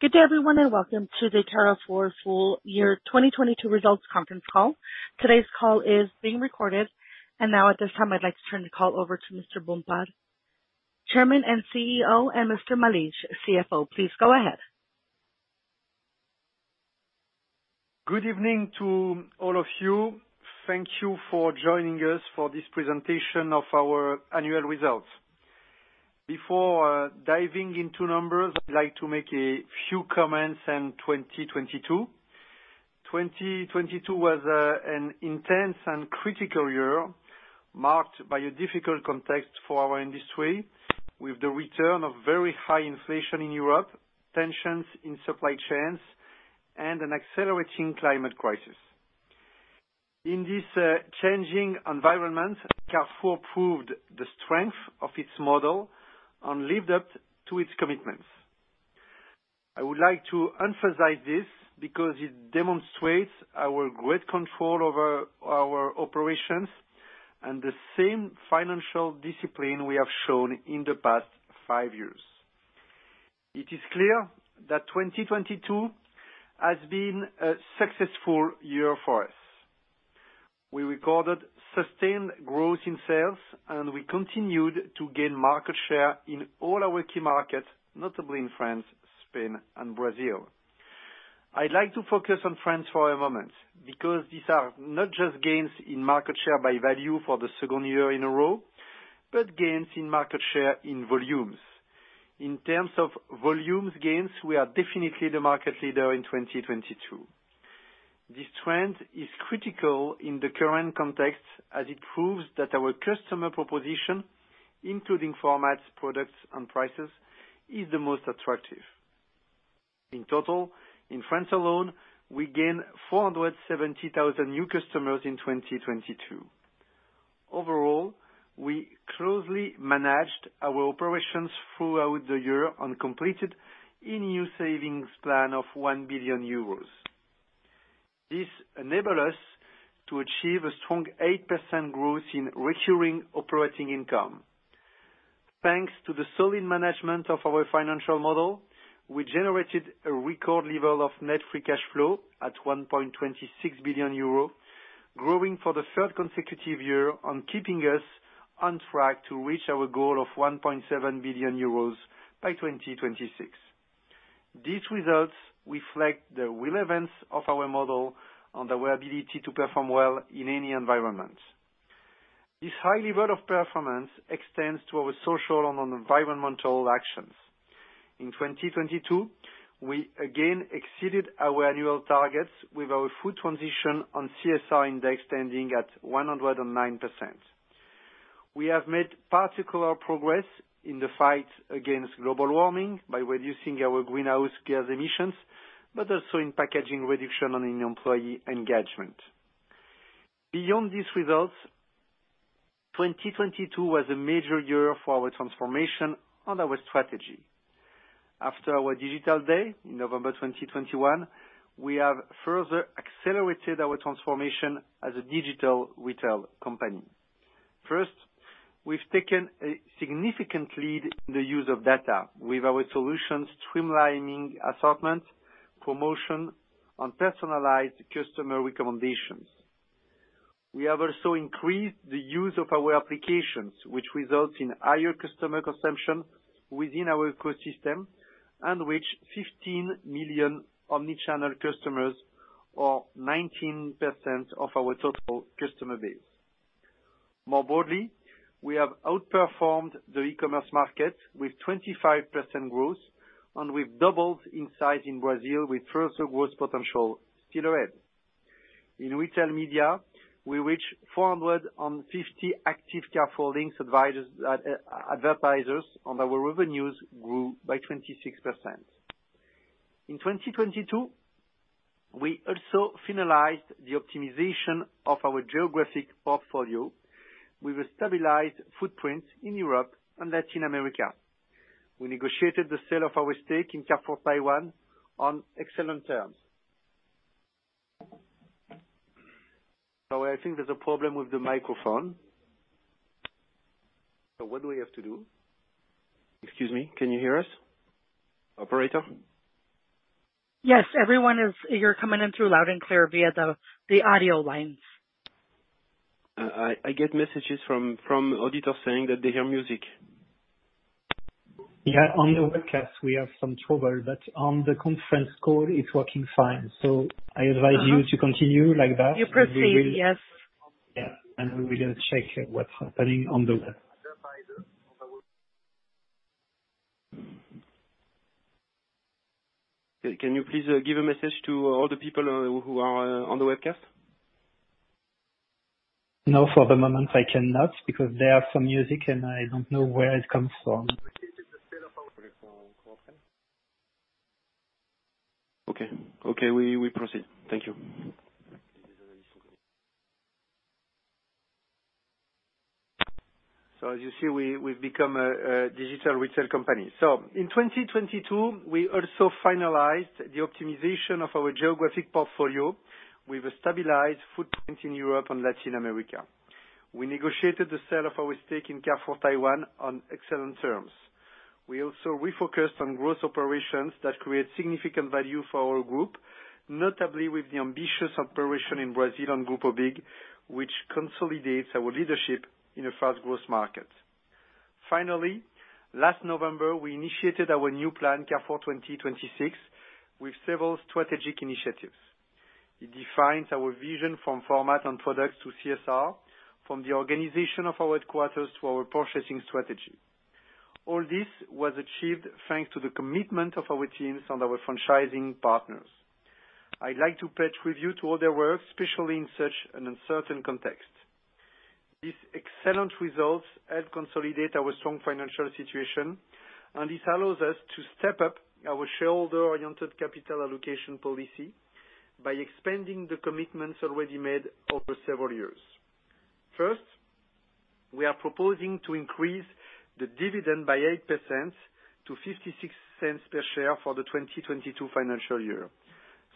Good day everyone, welcome to the Carrefour Full Year 2022 Results Conference Call. Today's call is being recorded. Now at this time, I'd like to turn the call over to Mr. Bompard, Chairman and CEO, and Mr. Malige, CFO. Please go ahead. Good evening to all of you. Thank you for joining us for this presentation of our annual results. Before diving into numbers, I'd like to make a few comments on 2022. 2022 was an intense and critical year, marked by a difficult context for our industry with the return of very high inflation in Europe, tensions in supply chains and an accelerating climate crisis. In this changing environment, Carrefour proved the strength of its model and lived up to its commitments. I would like to emphasize this because it demonstrates our great control over our operations and the same financial discipline we have shown in the past five years. It is clear that 2022 has been a successful year for us. We recorded sustained growth in sales, and we continued to gain market share in all our key markets, notably in France, Spain, and Brazil. I'd like to focus on France for a moment because these are not just gains in market share by value for the second year in a row, but gains in market share in volumes. In terms of volumes gains, we are definitely the market leader in 2022. This trend is critical in the current context as it proves that our customer proposition, including formats, products, and prices, is the most attractive. In total, in France alone, we gained 470,000 new customers in 2022. Overall, we closely managed our operations throughout the year and completed a new savings plan of 1 billion euros. This enable us to achieve a strong 8% growth in Recurring Operating Income. Thanks to the solid management of our financial model, we generated a record level of Net Free Cash Flow at 1.26 billion euro, growing for the third consecutive year, and keeping us on track to reach our goal of 1.7 billion euros by 2026. These results reflect the relevance of our model and our ability to perform well in any environment. This high level of performance extends to our social and on environmental actions. In 2022, we again exceeded our annual targets with our full transition on CSR Index, ending at 109%. We have made particular progress in the fight against global warming by reducing our greenhouse gas emissions, but also in packaging reduction and in employee engagement. Beyond these results, 2022 was a major year for our transformation and our strategy. After our Digital Day in November 2021, we have further accelerated our transformation as a digital retail company. First, we've taken a significant lead in the use of data with our solutions streamlining assortment, promotion, and personalized customer recommendations. We have also increased the use of our applications, which results in higher customer consumption within our ecosystem and reach 15 million omni-channel customers or 19% of our total customer base. More broadly, we have outperformed the e-commerce market with 25% growth, and we've doubled in size in Brazil with further growth potential still ahead. In retail media, we reach 450 active Carrefour Links advertisers, and our revenues grew by 26%. In 2022, we also finalized the optimization of our geographic portfolio with a stabilized footprint in Europe and Latin America. We negotiated the sale of our stake in Carrefour Taiwan on excellent terms. I think there's a problem with the microphone. What do we have to do? Excuse me, can you hear us? Operator? Yes. You're coming in through loud and clear via the audio lines. I get messages from auditors saying that they hear music. Yeah, on the webcast we have some trouble, but on the conference call it's working fine, so I advise you to continue like that. You proceed, yes. Yeah. We will check what's happening on the web. Can you please give a message to all the people who are on the webcast? No, for the moment, I cannot because there are some music, and I don't know where it comes from. Okay. We proceed. Thank you. As you see, we've become a Digital Retail Company. In 2022, we also finalized the optimization of our geographic portfolio with a stabilized footprint in Europe and Latin America. We negotiated the sale of our stake in Carrefour Taiwan on excellent terms. We also refocused on growth operations that create significant value for our group, notably with the ambitious operation in Brazil and Grupo BIG, which consolidates our leadership in a fast growth market. Finally, last November, we initiated our new plan, Carrefour 2026, with several strategic initiatives. It defines our vision from format and products to CSR, from the organization of our headquarters to our purchasing strategy. All this was achieved thanks to the commitment of our teams and our franchising partners. I'd like to pledge with you to all their work, especially in such an uncertain context. These excellent results help consolidate our strong financial situation. This allows us to step up our shareholder-oriented capital allocation policy by expanding the commitments already made over several years. First, we are proposing to increase the dividend by 8% to 0.56 per share for the 2022 financial year.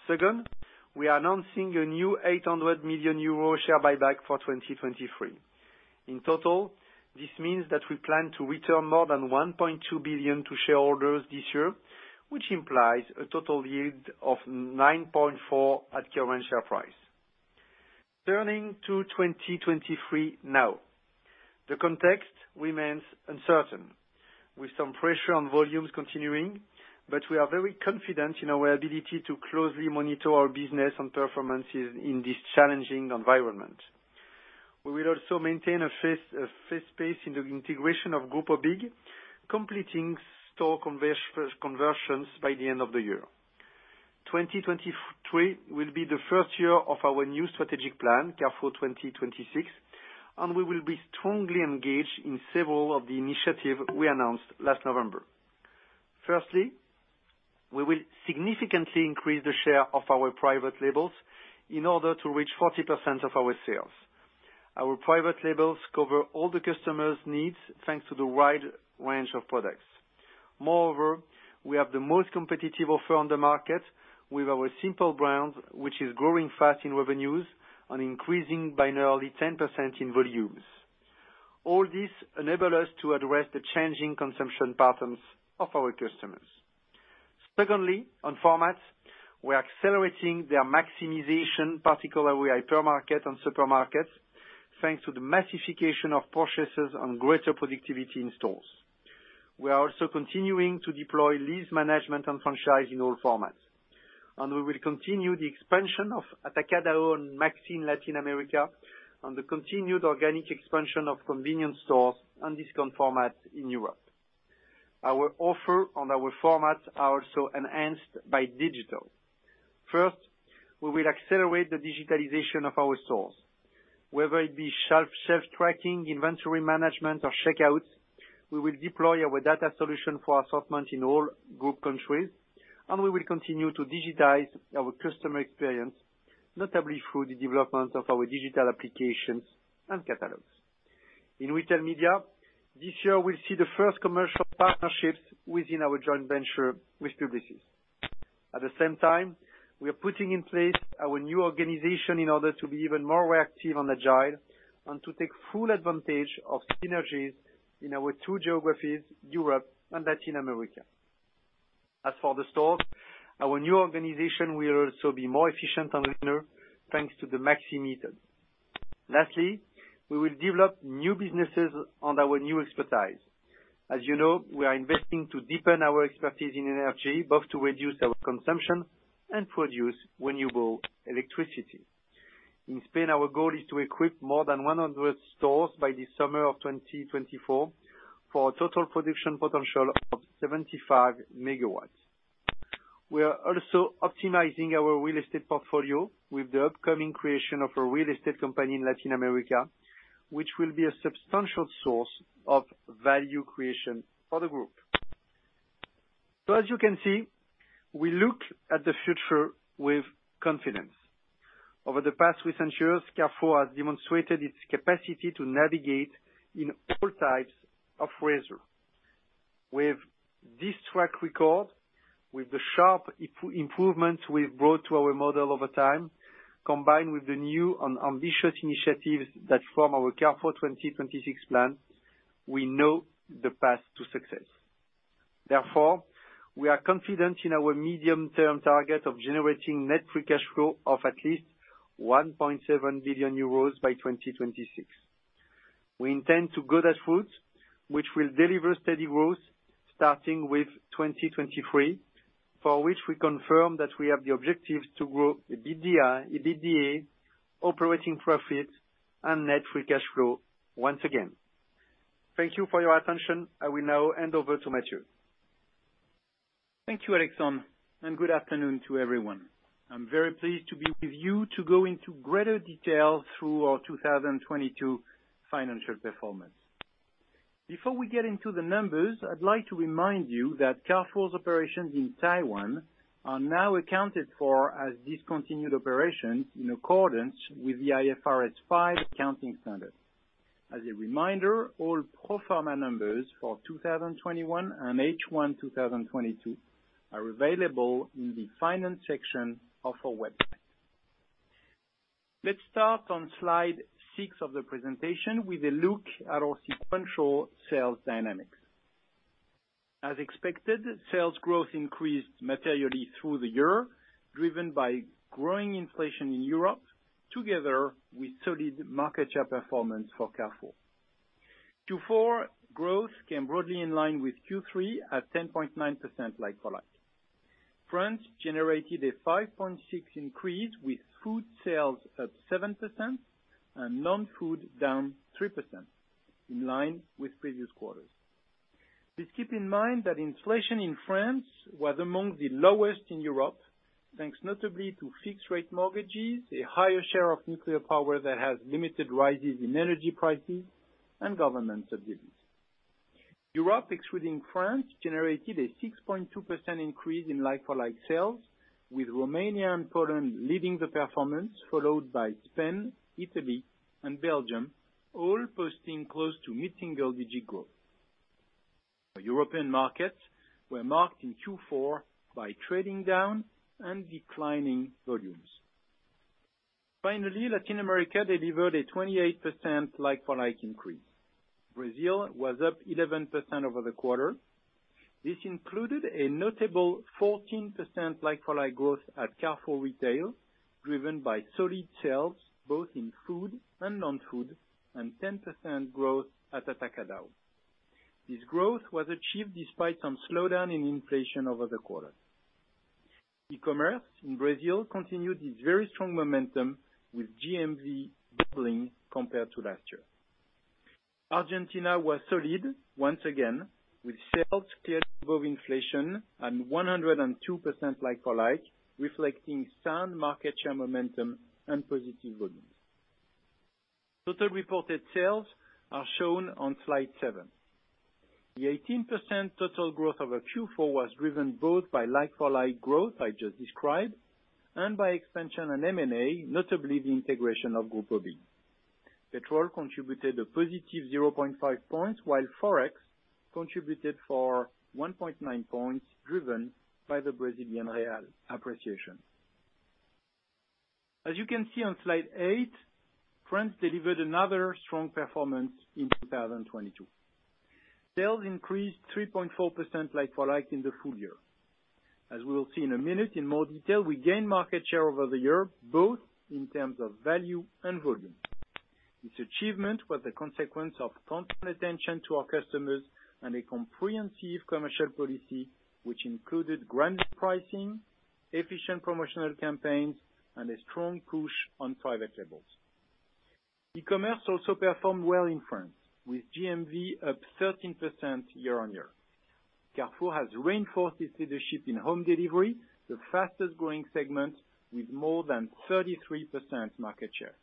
Second, we are announcing a new 800 million euro share buyback for 2023. In total, this means that we plan to return more than 1.2 billion to shareholders this year, which implies a total yield of 9.4% at current share price. Turning to 2023 now. The context remains uncertain, with some pressure on volumes continuing. We are very confident in our ability to closely monitor our business and performances in this challenging environment. We will also maintain a fast pace in the integration of Grupo BIG, completing store conversions by the end of the year. 2023 will be the first year of our new strategic plan, Carrefour 2026, we will be strongly engaged in several of the initiative we announced last November. Firstly, we will significantly increase the share of our private labels in order to reach 40% of our sales. Our private labels cover all the customers' needs, thanks to the wide range of products. Moreover, we have the most competitive offer on the market with our Simpl brand, which is growing fast in revenues and increasing by nearly 10% in volumes. All this enable us to address the changing consumption patterns of our customers. Secondly, on formats, we are accelerating their maximization, particularly hypermarket and supermarkets, thanks to the massification of processes and greater productivity in stores. We are also continuing to deploy lease management and franchise in all formats. We will continue the expansion of Atacadão and Maxi in Latin America, and the continued organic expansion of convenience stores and discount formats in Europe. Our offer and our formats are also enhanced by digital. First, we will accelerate the digitalization of our stores, whether it be shelf-tracking, inventory management, or checkouts. We will deploy our data solution for assortment in all group countries, and we will continue to digitize our customer experience, notably through the development of our digital applications and catalogs. In retail media, this year we'll see the first commercial partnerships within our joint venture with Publicis. At the same time, we are putting in place our new organization in order to be even more reactive and agile, and to take full advantage of synergies in our two geographies, Europe and Latin America. As for the stores, our new organization will also be more efficient and leaner, thanks to the Maxi method. Lastly, we will develop new businesses on our new expertise. As you know, we are investing to deepen our expertise in energy, both to reduce our consumption and produce renewable electricity. In Spain, our goal is to equip more than 100 stores by the summer of 2024 for a total production potential of 75 megawatts. We are also optimizing our real estate portfolio with the upcoming creation of a real estate company in Latin America, which will be a substantial source of value creation for the group. As you can see, we look at the future with confidence. Over the past recent years, Carrefour has demonstrated its capacity to navigate in all types of weather. With this track record, with the sharp improvements we've brought to our model over time, combined with the new and ambitious initiatives that form our Carrefour 2026 plan, we know the path to success. We are confident in our medium term target of generating Net Free Cash Flow of at least 1.7 billion euros by 2026. We intend to go that route, which will deliver steady growth starting with 2023, for which we confirm that we have the objectives to grow EBITDA, operating profit and Net Free Cash Flow once again. Thank you for your attention. I will now hand over to Matthieu. Thank you, Alexandre. Good afternoon to everyone. I'm very pleased to be with you to go into greater detail through our 2022 financial performance. Before we get into the numbers, I'd like to remind you that Carrefour's operations in Taiwan are now accounted for as discontinued operations in accordance with the IFRS 5 accounting standard. As a reminder, all pro forma numbers for 2021 and H1 2022 are available in the finance section of our website. Let's start on slide six of the presentation with a look at our sequential sales dynamics. As expected, sales growth increased materially through the year, driven by growing inflation in Europe together with solid market share performance for Carrefour. Q4 growth came broadly in line with Q3 at 10.9% like-for-like. France generated a 5.6 increase, with food sales up 7% and non-food down 3%, in line with previous quarters. Please keep in mind that inflation in France was among the lowest in Europe, thanks notably to fixed rate mortgages, a higher share of nuclear power that has limited rises in energy prices and government subsidies. Europe, excluding France, generated a 6.2% increase in like-for-like sales, with Romania and Poland leading the performance, followed by Spain, Italy, and Belgium, all posting close to mid-single digit growth. Our European markets were marked in Q4 by trading down and declining volumes. Latin America delivered a 28% like-for-like increase. Brazil was up 11% over the quarter. This included a notable 14% like-for-like growth at Carrefour retail, driven by solid sales both in food and non-food, and 10% growth at Atacadão. This growth was achieved despite some slowdown in inflation over the quarter. E-commerce in Brazil continued its very strong momentum, with GMV doubling compared to last year. Argentina was solid once again, with sales clear above inflation and 102% like-for-like, reflecting sound market share momentum and positive volumes. Total reported sales are shown on slide seven. The 18% total growth over Q4 was driven both by like-for-like growth I just described and by expansion and M&A, notably the integration of Grupo BIG. Petrol contributed a positive 0.5 points, while ForEx contributed for 1.9 points, driven by the Brazilian real appreciation. You can see on slide eight, France delivered another strong performance in 2022. Sales increased 3.4% like-for-like in the full year. As we will see in a minute in more detail, we gained market share over the year, both in terms of value and volume. This achievement was a consequence of constant attention to our customers and a comprehensive commercial policy, which included grounded pricing, efficient promotional campaigns, and a strong push on private labels. E-commerce also performed well in France, with GMV up 13% year-over-year. Carrefour has reinforced its leadership in home delivery, the fastest growing segment, with more than 33% market share.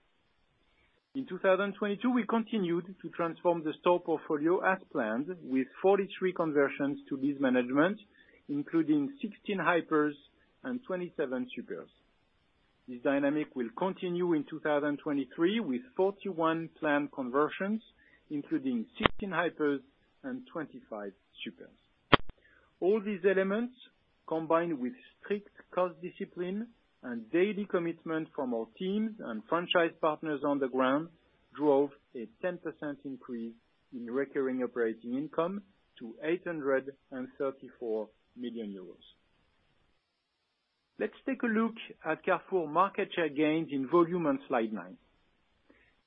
In 2022, we continued to transform the store portfolio as planned, with 43 conversions to lease management, including 16 hypers and 27 supers. This dynamic will continue in 2023 with 41 planned conversions, including 16 hypers and 25 supers. All these elements, combined with strict cost discipline and daily commitment from our teams and franchise partners on the ground, drove a 10% increase in Recurring Operating Income to 834 million euros. Let's take a look at Carrefour market share gains in volume on slide nine.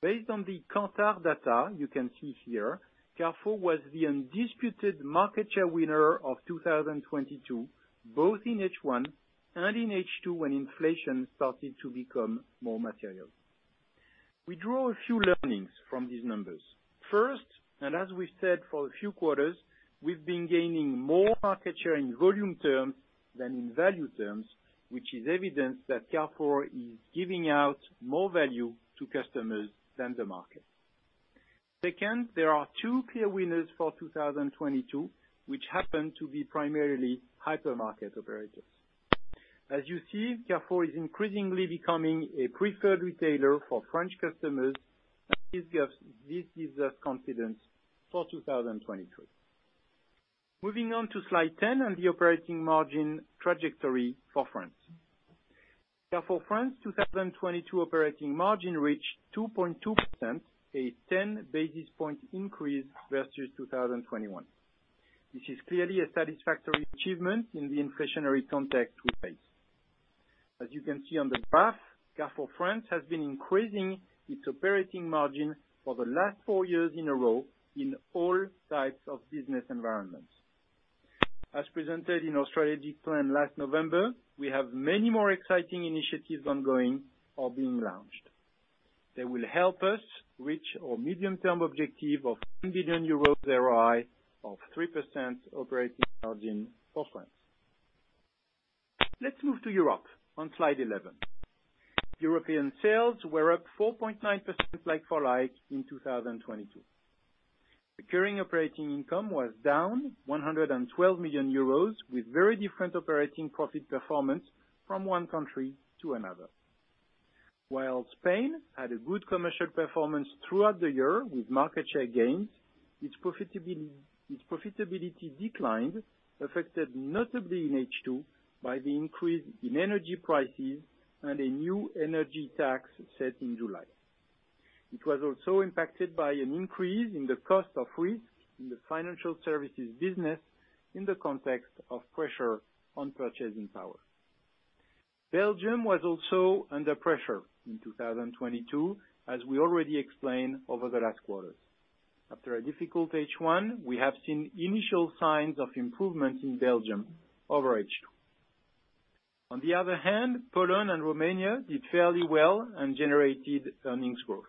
Based on the Kantar data you can see here, Carrefour was the undisputed market share winner of 2022, both in H1 and in H2 when inflation started to become more material. We draw a few learnings from these numbers. First, as we've said for a few quarters, we've been gaining more market share in volume terms than in value terms, which is evidence that Carrefour is giving out more value to customers than the market. Second, there are two clear winners for 2022, which happen to be primarily hypermarket operators. As you see, Carrefour is increasingly becoming a preferred retailer for French customers, and this gives us confidence for 2023. Moving on to slide 10 and the operating margin trajectory for France. Carrefour France 2022 operating margin reached 2.2%, a 10 basis point increase versus 2021. This is clearly a satisfactory achievement in the inflationary context we face. As you can see on the graph, Carrefour France has been increasing its operating margin for the last four years in a row in all types of business environments. As presented in our strategy plan last November, we have many more exciting initiatives ongoing or being launched. They will help us reach our medium-term objective of 1 billion euros ROI of 3% operating margin for France. Let's move to Europe on slide 11. European sales were up 4.9% like-for-like in 2022. Recurring Operating Income was down 112 million euros, with very different operating profit performance from one country to another. While Spain had a good commercial performance throughout the year with market share gains, its profitability declined, affected notably in H2 by the increase in energy prices and a new energy tax set in July. It was also impacted by an increase in the cost of risk in the financial services business in the context of pressure on purchasing power. Belgium was also under pressure in 2022, as we already explained over the last quarters. After a difficult H1, we have seen initial signs of improvement in Belgium over H2. On the other hand, Poland and Romania did fairly well and generated earnings growth.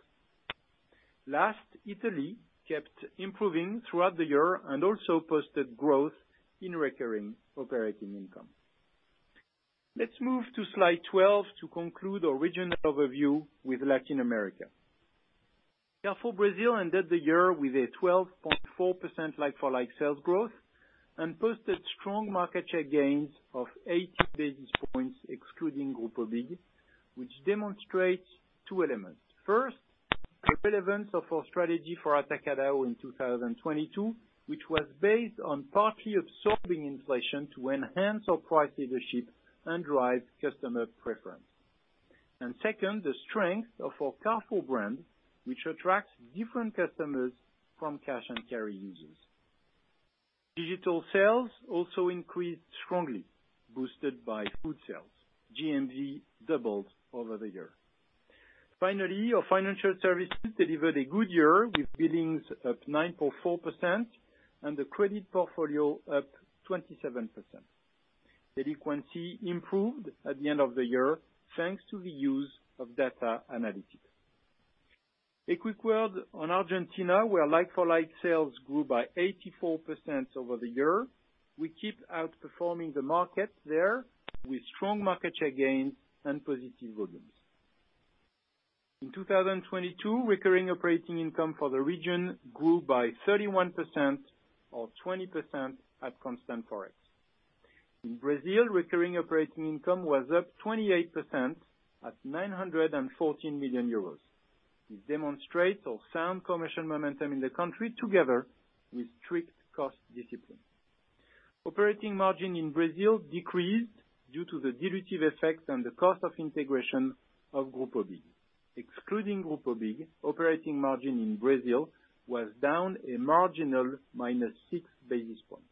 Italy kept improving throughout the year and also posted growth in Recurring Operating Income. Let's move to slide 12 to conclude our regional overview with Latin America. Carrefour Brazil ended the year with a 12.4% like-for-like sales growth and posted strong market share gains of 80 basis points excluding Grupo BIG, which demonstrates two elements. First, the relevance of our strategy for Atacadão in 2022, which was based on partly absorbing inflation to enhance our price leadership and drive customer preference. Second, the strength of our Carrefour brand, which attracts different customers from cash and carry users. Digital sales also increased strongly, boosted by food sales. GMV doubled over the year. Our financial services delivered a good year with billings up 9.4% and the credit portfolio up 27%. Delinquency improved at the end of the year, thanks to the use of data analytics. A quick word on Argentina, where like-for-like sales grew by 84% over the year. We keep outperforming the market there with strong market share gains and positive volumes. In 2022, recurring operating income for the region grew by 31% or 20% at constant ForEx. In Brazil, recurring operating income was up 28% at 914 million euros. This demonstrates our sound commercial momentum in the country together with strict cost discipline. Operating margin in Brazil decreased due to the dilutive effect and the cost of integration of Grupo BIG. Excluding Grupo BIG, operating margin in Brazil was down a marginal -6 basis points.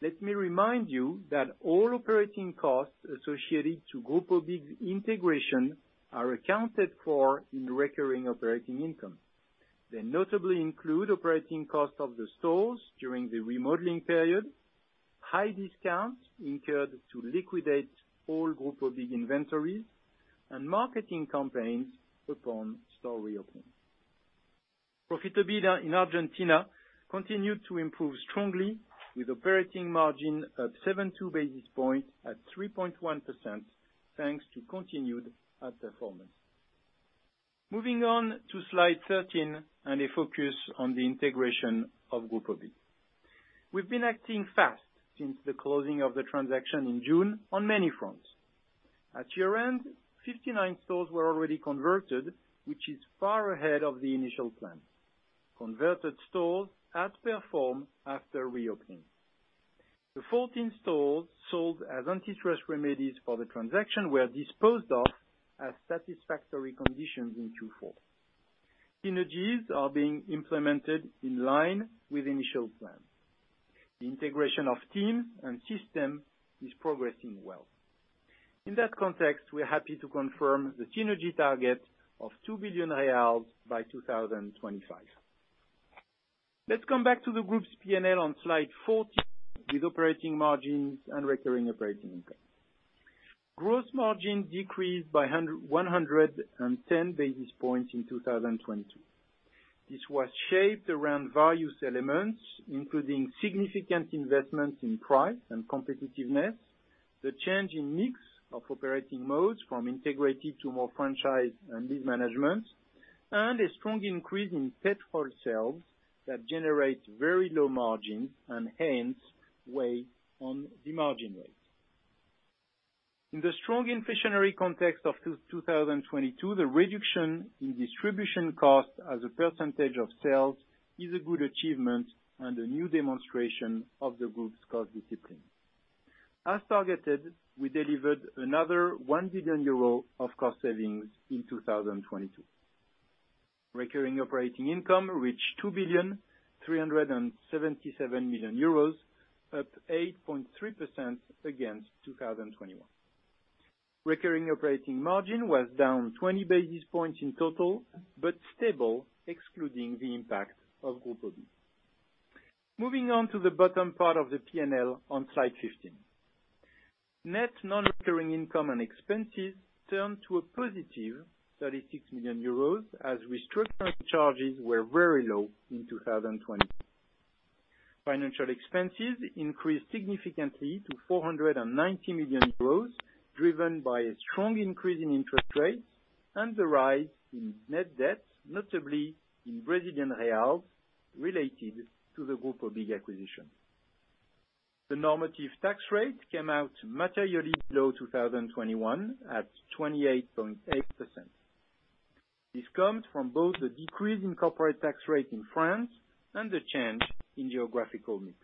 Let me remind you that all operating costs associated to Grupo BIG's integration are accounted for in recurring operating income. They notably include operating costs of the stores during the remodeling period, high discounts incurred to liquidate all Grupo BIG inventory, and marketing campaigns upon store reopening. Profitability in Argentina continued to improve strongly with operating margin up 72 basis points at 3.1%, thanks to continued outperformance. Moving on to slide 13 and a focus on the integration of Grupo BIG. We've been acting fast since the closing of the transaction in June on many fronts. At year-end, 59 stores were already converted, which is far ahead of the initial plan. Converted stores have performed after reopening. The 14 stores sold as antitrust remedies for the transaction were disposed of at satisfactory conditions in Q4. Synergies are being implemented in line with initial plans. The integration of teams and systems is progressing well. In that context, we're happy to confirm the synergy target of 2 billion reais by 2025. Let's come back to the group's P&L on slide 14 with operating margins and recurring operating income. Gross margin decreased by 110 basis points in 2022. This was shaped around various elements, including significant investments in price and competitiveness, the change in mix of operating modes from integrated to more franchise and lease management, and a strong increase in petrol sales that generate very low margins and hence weigh on the margin rate. In the strong inflationary context of 2022, the reduction in distribution costs as a percentage of sales is a good achievement and a new demonstration of the group's cost discipline. As targeted, we delivered another 1 billion euro of cost savings in 2022. Recurring Operating Income reached 2.377 billion euros, up 8.3% against 2021. Recurring operating margin was down 20 basis points in total, but stable excluding the impact of Grupo BIG. Moving on to the bottom part of the P&L on slide 15. Net non-recurring income and expenses turned to a positive 36 million euros, as restructuring charges were very low in 2022. Financial expenses increased significantly to 490 million euros, driven by a strong increase in interest rates and the rise in net debt, notably in Brazilian Reals, related to the Grupo BIG acquisition. The normative tax rate came out materially below 2021, at 28.8%. This comes from both the decrease in corporate tax rate in France and the change in geographical mix.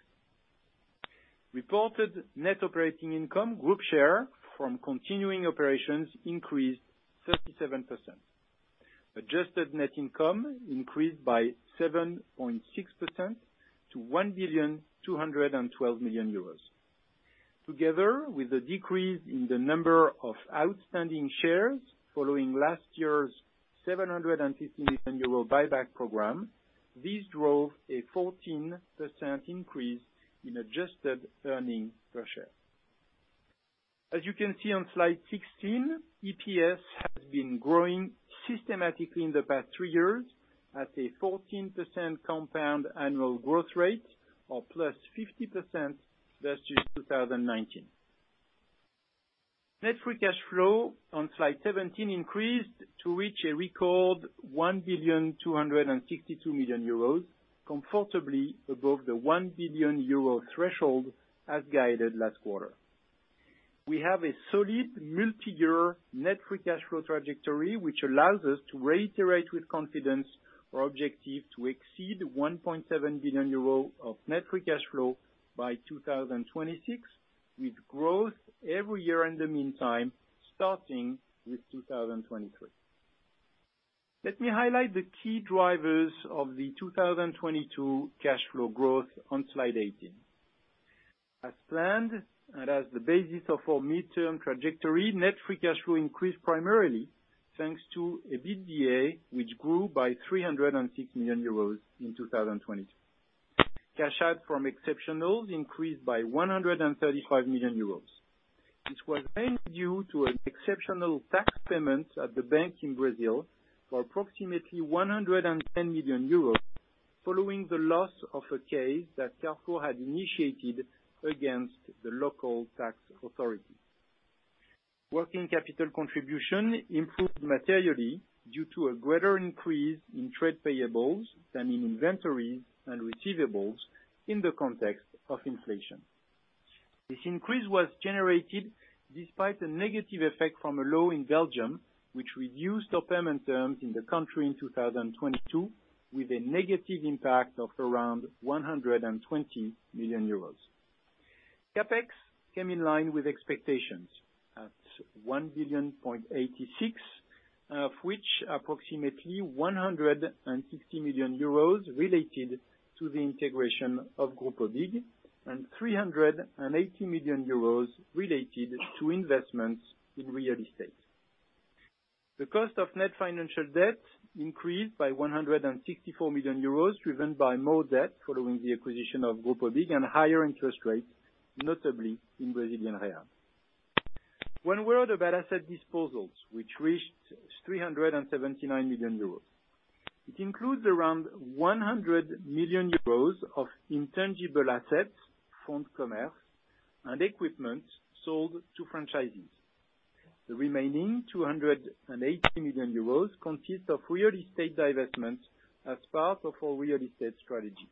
Reported net operating income group share from continuing operations increased 37%. Adjusted net income increased by 7.6% to 1,212 million euros. Together with a decrease in the number of outstanding shares following last year's 750 million euro buyback program, this drove a 14% increase in adjusted earnings per share. As you can see on slide 16, EPS has been growing systematically in the past three years at a 14% compound annual growth rate or +50% versus 2019. Net Free Cash Flow on slide 17 increased to reach a record 1,262 million euros, comfortably above the 1 billion euro threshold as guided last quarter. We have a solid multi-year Net Free Cash Flow trajectory, which allows us to reiterate with confidence our objective to exceed 1.7 billion euro of Net Free Cash Flow by 2026, with growth every year in the meantime, starting with 2023. Let me highlight the key drivers of the 2022 cash flow growth on slide 18. As planned and as the basis of our midterm trajectory, Net Free Cash Flow increased primarily thanks to an EBITDA which grew by 306 million euros in 2020. Cash out from exceptional increased by 135 million euros, which was mainly due to an exceptional tax payment at the bank in Brazil for approximately 110 million euros, following the loss of a case that Carrefour had initiated against the local tax authority. Working capital contribution improved materially due to a greater increase in trade payables than in inventories and receivables in the context of inflation. This increase was generated despite a negative effect from a low in Belgium, which reduced our payment terms in the country in 2022, with a negative impact of around 120 million euros. CapEx came in line with expectations at 1.086 billion, of which approximately 160 million euros related to the integration of Grupo BIG and 380 million euros related to investments in real estate. The cost of net financial debt increased by 164 million euros, driven by more debt following the acquisition of Grupo BIG and higher interest rates, notably in Brazilian Real. One word about asset disposals, which reached 379 million euros. It includes around 100 million euros of intangible assets from commerce and equipment sold to franchisees. The remaining 280 million euros consist of real estate divestments as part of our real estate strategy.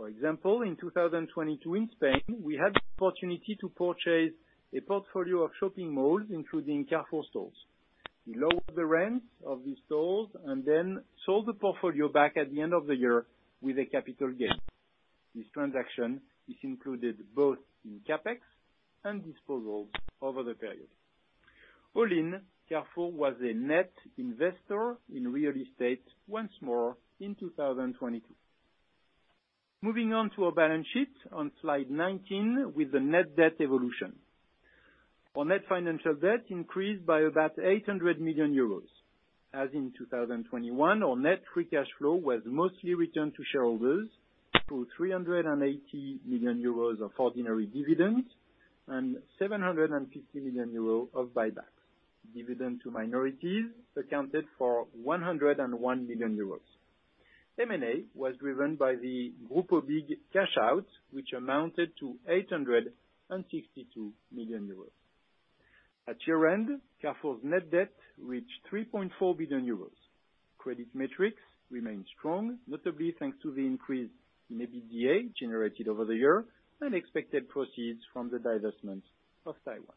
For example, in 2022 in Spain, we had the opportunity to purchase a portfolio of shopping malls, including Carrefour stores. We lowered the rent of these stores and then sold the portfolio back at the end of the year with a capital gain. This transaction is included both in CapEx and disposals over the period. All in, Carrefour was a net investor in real estate once more in 2022. Moving on to our balance sheet on slide 19 with the net debt evolution. Our net financial debt increased by about 800 million euros. As in 2021, our Net Free Cash Flow was mostly returned to shareholders through 380 million euros of ordinary dividends and 750 million euros of buybacks. Dividend to minorities accounted for 101 million euros. M&A was driven by the Grupo BIG cash out, which amounted to 862 million euros. At year-end, Carrefour's net debt reached 3.4 billion euros. Credit metrics remain strong, notably thanks to the increase in EBITDA generated over the year and expected proceeds from the divestment of Taiwan.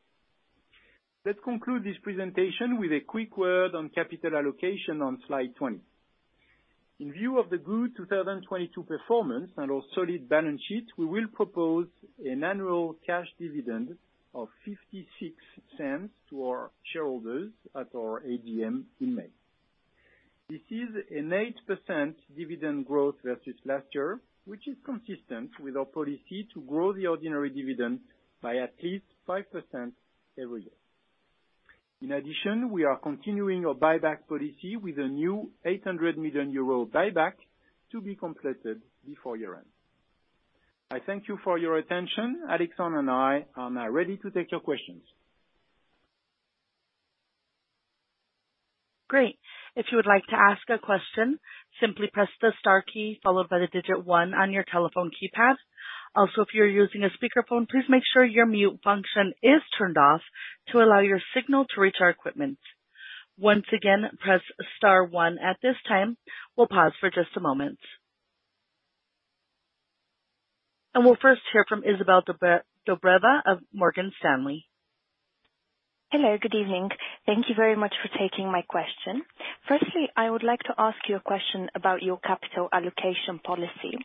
Let's conclude this presentation with a quick word on capital allocation on slide 20. In view of the good 2022 performance and our solid balance sheet, we will propose an annual cash dividend of 0.56 to our shareholders at our AGM in May. This is an 8% dividend growth versus last year, which is consistent with our policy to grow the ordinary dividend by at least 5% every year. In addition, we are continuing our buyback policy with a new 800 million euro buyback to be completed before year-end. I thank you for your attention. Alexandre and I are now ready to take your questions. Great. If you would like to ask a question, simply press the star key followed by the digit one on your telephone keypad. Also, if you're using a speakerphone, please make sure your mute function is turned off to allow your signal to reach our equipment. Once again, press star one at this time. We'll pause for just a moment. We'll first hear from Izabel Dobreva of Morgan Stanley. Hello, good evening. Thank you very much for taking my question. Firstly, I would like to ask you a question about your capital allocation policy.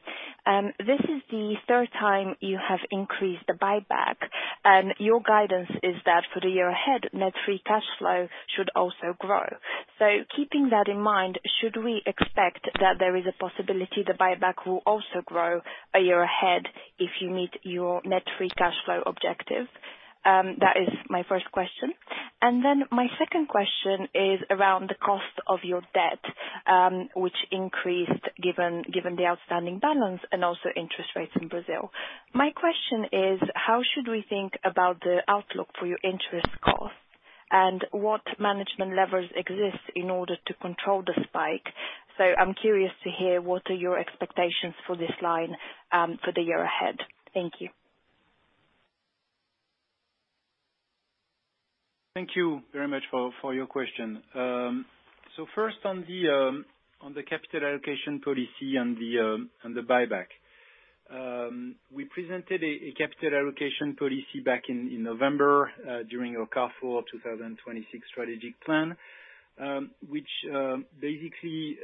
This is the third time you have increased the buyback, and your guidance is that for the year ahead, Net Free Cash Flow should also grow. Keeping that in mind, should we expect that there is a possibility the buyback will also grow a year ahead if you meet your Net Free Cash Flow objective? That is my first question. My second question is around the cost of your debt, which increased given the outstanding balance and also interest rates in Brazil. My question is, how should we think about the outlook for your interest costs? What management levers exist in order to control the spike? I'm curious to hear what are your expectations for this line for the year ahead. Thank you. Thank you very much for your question. First on the capital allocation policy and the buyback. We presented a capital allocation policy back in November during our Carrefour 2026 strategic plan, which basically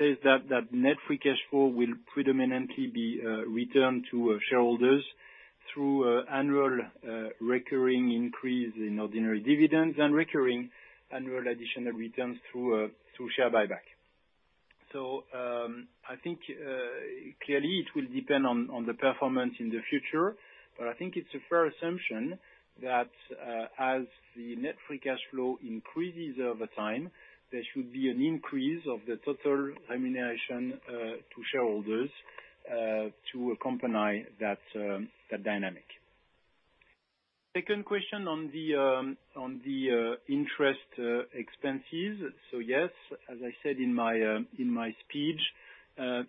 says that net free cash flow will predominantly be returned to shareholders through annual recurring increase in ordinary dividends and recurring annual additional returns through share buyback. I think clearly it will depend on the performance in the future, but I think it's a fair assumption that as the net free cash flow increases over time, there should be an increase of the total remuneration to shareholders to accompany that dynamic. Second question on the interest expenses. Yes, as I said in my in my speech,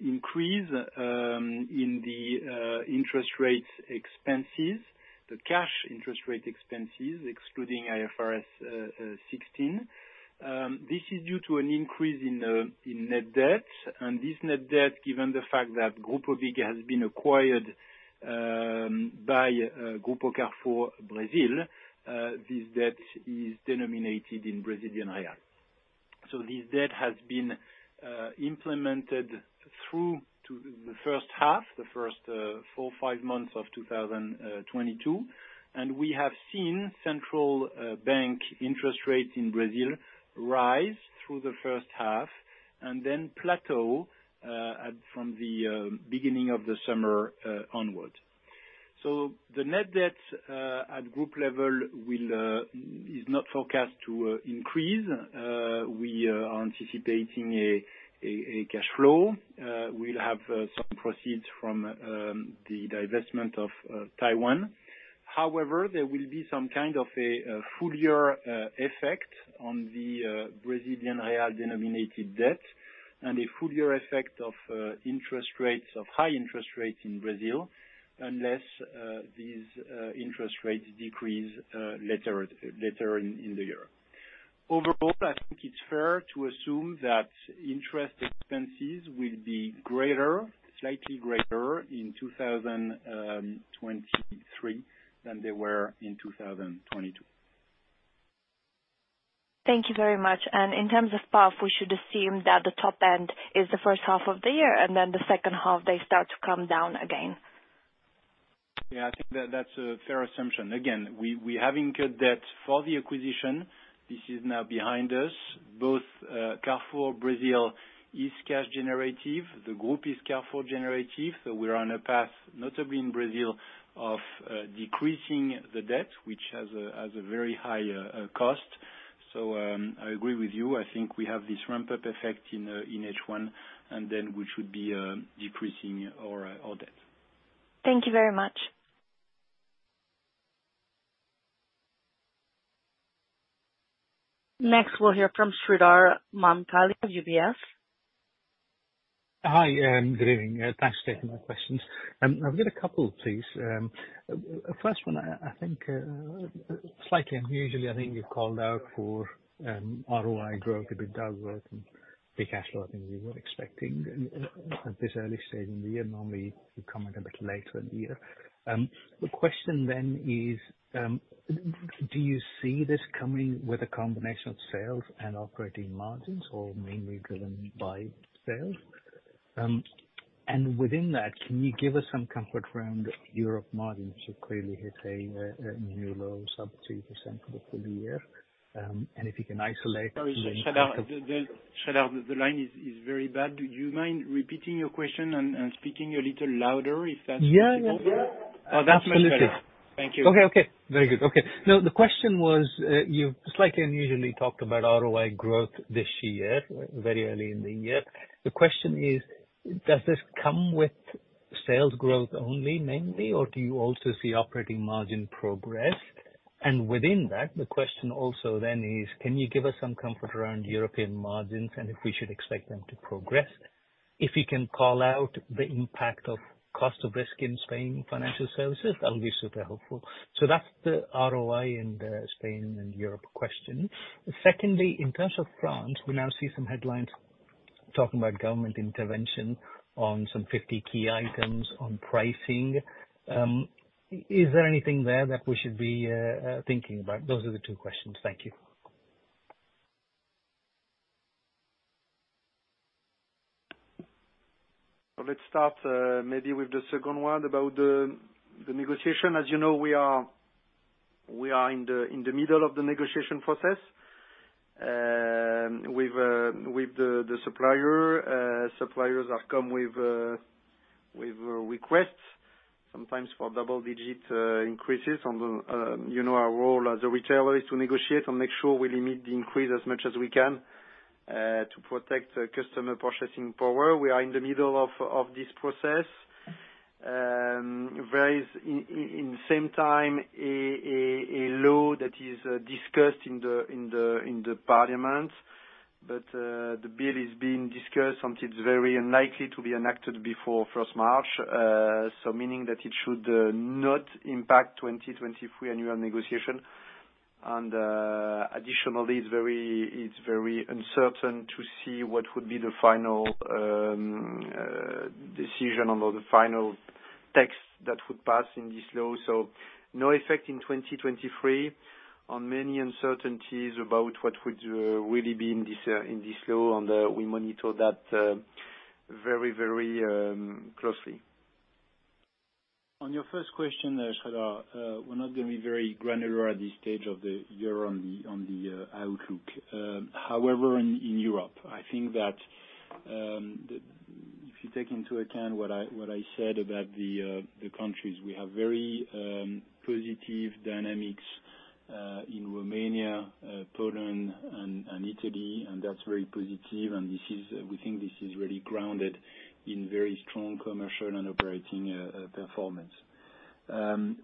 increase in the interest rate expenses, the cash interest rate expenses excluding IFRS 16, this is due to an increase in net debt. This net debt, given the fact that Grupo BIG has been acquired by Grupo Carrefour Brasil, this debt is denominated in Brazilian real. This debt has been implemented through to the first half, the first four, five months of 2022, and we have seen central bank interest rates in Brazil rise through the first half and then plateau at from the beginning of the summer onwards. The net debt at group level is not forecast to increase. We are anticipating a cash flow. We'll have some proceeds from the divestment of Taiwan. However, there will be some kind of a full year effect on the Brazilian real denominated debt and a full year effect of interest rates of high interest rates in Brazil, unless these interest rates decrease later in the year. Overall, I think it's fair to assume that interest expenses will be greater, slightly greater in 2023 than they were in 2022. Thank you very much. In terms of path, we should assume that the top end is the first half of the year, and then the second half they start to come down again. Yeah, I think that's a fair assumption. Again, we have incurred debt for the acquisition. This is now behind us. Both Carrefour Brazil is cash generative. The group is cash flow generative. We're on a path, notably in Brazil of decreasing the debt, which has a very high cost. I agree with you. I think we have this ramp-up effect in H1, and then we should be decreasing our debt. Thank you very much. Next, we'll hear from Sreedhar Mahamkali of UBS. Hi, good evening. Thanks for taking my questions. I've got a couple please. First one, I think slightly unusually I think you've called out for ROI growth, a bit downward and free cash flow I think we were expecting at this early stage in the year. Normally you'd come in a bit later in the year. The question is, do you see this coming with a combination of sales and operating margins or mainly driven by sales? Within that, can you give us some comfort around Europe margins are clearly hitting new lows, up 2% for the full year. If you can. Sorry, Sridhar, the line is very bad. Do you mind repeating your question and speaking a little louder, if that's possible? Yeah, yeah. Oh, that's much better. Thank you. Okay. Okay. Very good. Okay. The question was, you slightly unusually talked about ROI growth this year, very early in the year. The question is, does this come with sales growth only mainly, or do you also see operating margin progress? Within that, the question also then is can you give us some comfort around European margins and if we should expect them to progress? If you can call out the impact of cost of risk in Spain financial services, that would be super helpful. That's the ROI in Spain and Europe question. Secondly, in terms of France, we now see some headlines talking about government intervention on some 50 key items on pricing. Is there anything there that we should be thinking about? Those are the two questions. Thank you. Let's start maybe with the second one about the negotiation. As you know, we are in the middle of the negotiation process with the supplier. Suppliers have come with requests sometimes for double digit increases. You know, our role as a retailer is to negotiate and make sure we limit the increase as much as we can to protect customer purchasing power. We are in the middle of this process. There is in the same time a law that is discussed in the parliament. The bill is being discussed, and it's very unlikely to be enacted before first March. Meaning that it should not impact 2023 annual negotiation. Additionally, it's very uncertain to see what would be the final decision on the final text that would pass in this law. No effect in 2023 on many uncertainties about what would really be in this in this law. We monitor that very closely. On your first question, Sreedhar, we're not gonna be very granular at this stage of the year on the outlook. However, in Europe, I think that if you take into account what I said about the countries, we have very positive dynamics in Romania, Poland and Italy, and that's very positive. We think this is really grounded in very strong commercial and operating performance.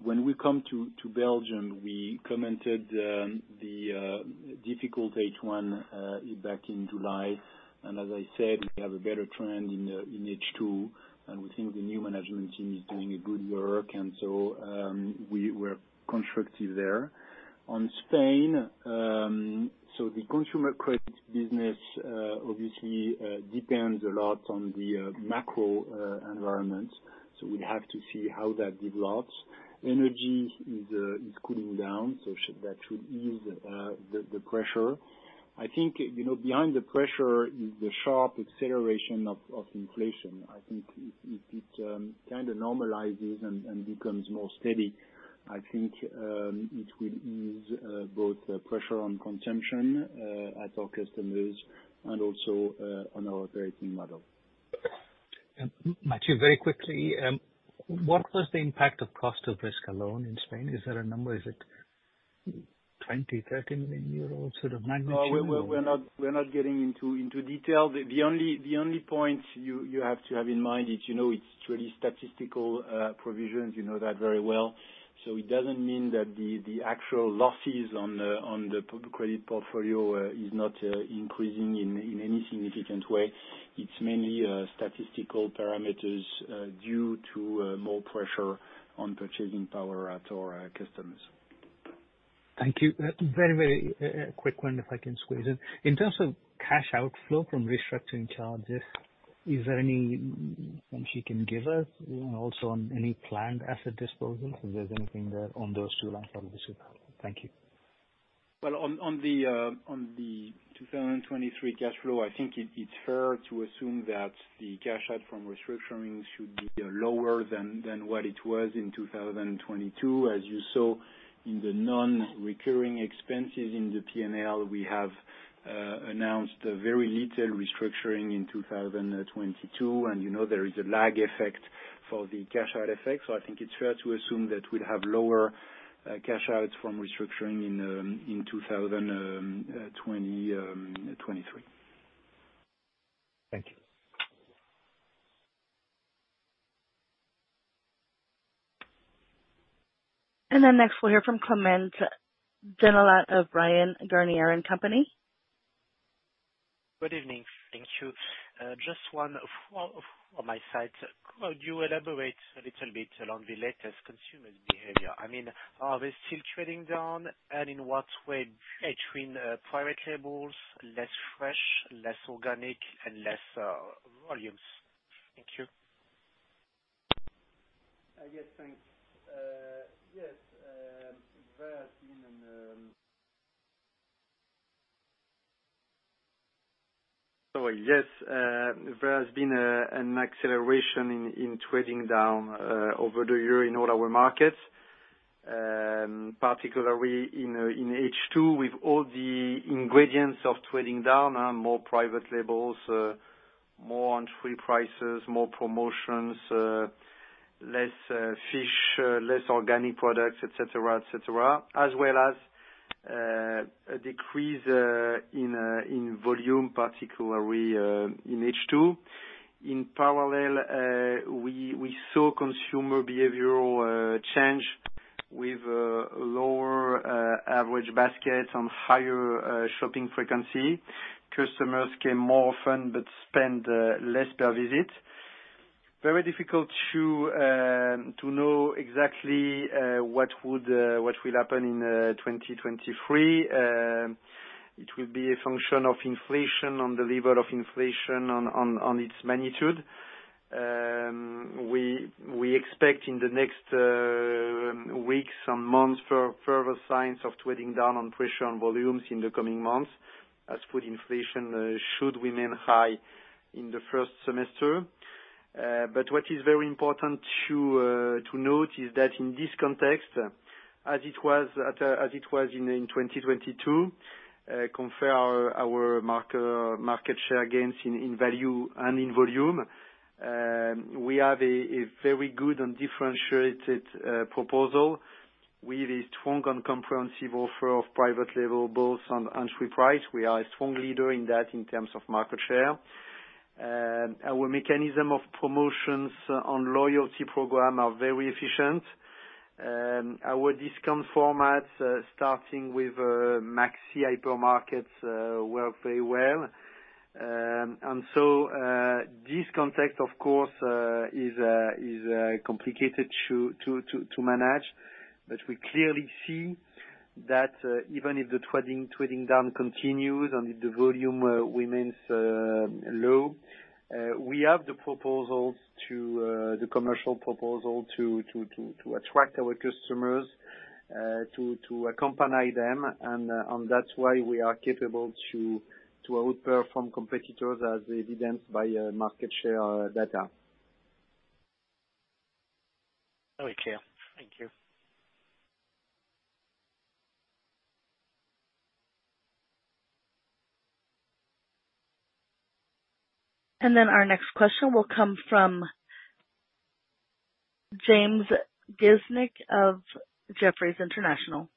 When we come to Belgium, we commented the difficult H2 one back in July. As I said, we have a better trend in H2, and we think the new management team is doing a good work. We were constructive there. On Spain, the consumer credit business, obviously, depends a lot on the macro environment, so we have to see how that develops. Energy is cooling down, so that should ease the pressure. I think, you know, behind the pressure is the sharp acceleration of inflation. I think if it kind of normalizes and becomes more steady, I think, it will ease both the pressure on consumption at our customers and also on our operating model. Matthieu, very quickly, what was the impact of cost of risk alone in Spain? Is there a number? Is it 20-30 million euro sort of magnitude? No, we're not getting into detail. The only point you have to have in mind is, you know, it's truly statistical provisions. You know that very well. It doesn't mean that the actual losses on the public credit portfolio is not increasing in any significant way. It's mainly statistical parameters due to more pressure on purchasing power at our customers. Thank you. Very, very quick one, if I can squeeze in. In terms of cash outflow from restructuring charges, is there any information you can give us? Also on any planned asset disposals, if there's anything there on those two lines, that would be super helpful. Thank you. Well, on the 2023 cash flow, I think it's fair to assume that the cash out from restructuring should be lower than what it was in 2022. As you saw in the non-recurring expenses in the P&L, we have announced very little restructuring in 2022, and you know there is a lag effect for the cash out effect. I think it's fair to assume that we'll have lower cash outs from restructuring in 2023. Thank you. Next we'll hear from Clément Genelot of Bryan, Garnier & Company. Good evening. Thank you. Just one from my side. Could you elaborate a little bit on the latest consumer behavior? I mean, are they still trading down? In what way between private labels, less fresh, less organic, and less volumes? Thank you. Yes, thanks. Yes, there has been an acceleration in trading down over the year in all our markets, particularly in H2 with all the ingredients of trading down. More private labels, more on free prices, more promotions, less fish, less organic products, et cetera, et cetera. As well as a decrease in volume, particularly in H2. In parallel, we saw consumer behavioral change. With lower average baskets and higher shopping frequency, customers came more often but spent less per visit. Very difficult to know exactly what will happen in 2023. It will be a function of inflation, on the level of inflation on its magnitude. We expect in the next weeks and months further signs of trading down on pressure and volumes in the coming months as food inflation should remain high in the first semester. What is very important to note is that in this context, as it was in 2022, confirm our market share gains in value and in volume. We have a very good and differentiated proposal. We have a strong and comprehensive offer of private label both on sweet price. We are a strong leader in that in terms of market share. Our mechanism of promotions on loyalty program are very efficient. Our discount formats, starting with Maxi hyper markets, work very well. This context of course, is complicated to manage. We clearly see that, even if the trading down continues and if the volume remains low, we have the proposals to the commercial proposal to attract our customers, to accompany them and that's why we are capable to outperform competitors as evidenced by market share data. Very clear. Thank you. Our next question will come from James Grzinic of Jefferies International.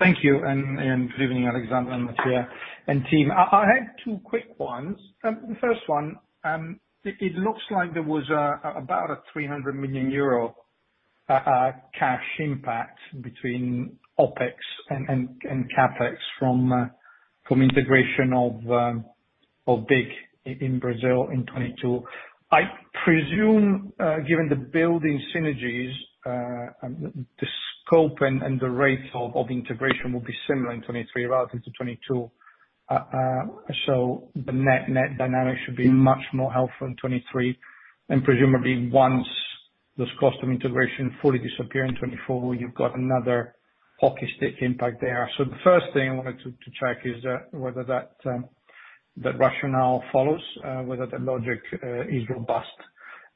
Thank you. Good evening, Alexandre and Matthieu and team. I have two quick ones. The first one, it looks like there was about a 300 million euro cash impact between OpEx and CapEx from integration of BIG in Brazil in 2022. I presume, given the building synergies, the scope and the rates of integration will be similar in 2023 rather than to 2022. The net dynamic should be much more helpful in 2023. Presumably once this cost of integration fully disappear in 2024, you've got another hockey stick impact there. The first thing I wanted to check is whether that rationale follows, whether the logic is robust.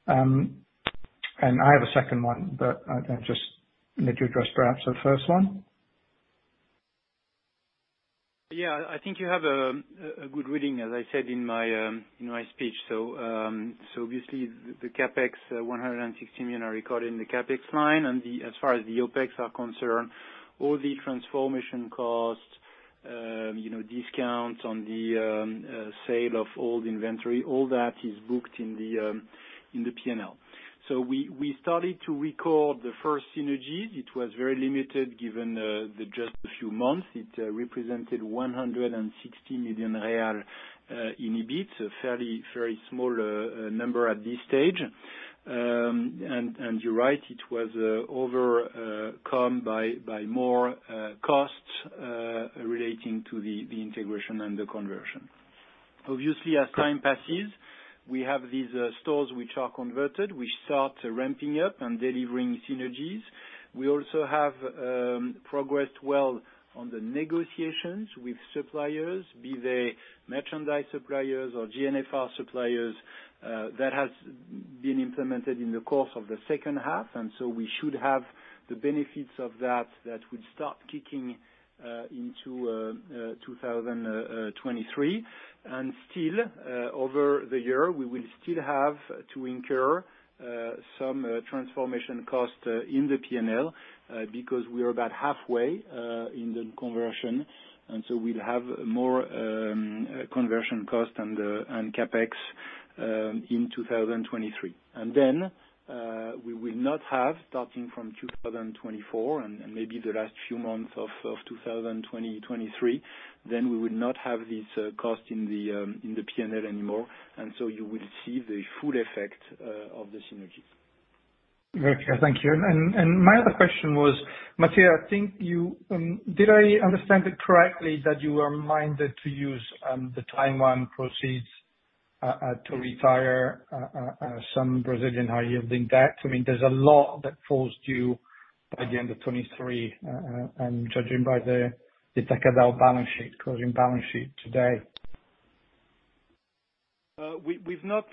I have a second one, but I'll then just let you address perhaps the first one. Yeah. I think you have a good reading as I said in my speech. Obviously the CapEx, 116 million are recorded in the CapEx line. As far as the OpEx are concerned, all the transformation costs, you know, discounts on the sale of old inventory, all that is booked in the P&L. We started to record the first synergies. It was very limited given the just a few months. It represented 160 million real in EBIT. A fairly small number at this stage. You're right, it was overcome by more costs relating to the integration and the conversion. Obviously, as time passes, we have these stores which are converted. We start ramping up and delivering synergies. We also have progressed well on the negotiations with suppliers, be they merchandise suppliers or GNFR suppliers, that has been implemented in the course of the second half. So we should have the benefits of that would start kicking into 2023. Still, over the year, we will still have to incur some transformation cost in the P&L because we are about halfway in the conversion. So we'll have more conversion cost and CapEx in 2023. Then, we will not have starting from 2024 and maybe the last few months of 2023, then we will not have this cost in the P&L anymore. So you will see the full effect of the synergies. Very clear. Thank you. My other question was, Matthieu, I think you, did I understand it correctly that you were minded to use the Taiwan proceeds to retire some Brazilian high yielding debt? I mean, there's a lot that falls due by the end of 2023. Judging by the Atacadão balance sheet, closing balance sheet today. We've not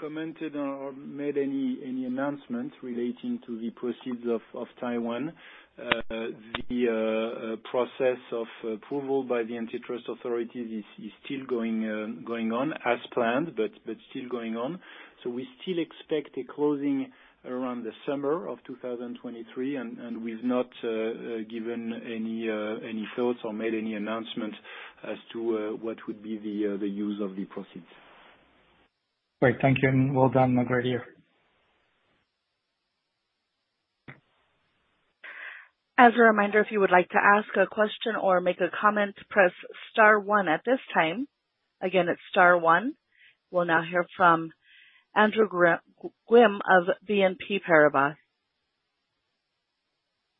commented or made any announcements relating to the proceeds of Taiwan. The process of approval by the antitrust authorities is still going on as planned, but still going on. We still expect a closing around the summer of 2023. We've not given any thoughts or made any announcements as to what would be the use of the proceeds. Great. Thank you, and well done, Alexandre. As a reminder, if you would like to ask a question or make a comment, press star one at this time. Again, it's star one. We'll now hear from Andrew Gwynn of BNP Paribas.